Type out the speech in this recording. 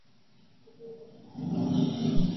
Phone আমাকে দাও।